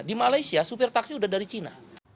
di malaysia supir taksi sudah dari cina